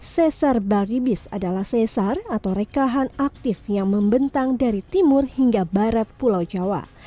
sesar baribis adalah sesar atau rekahan aktif yang membentang dari timur hingga barat pulau jawa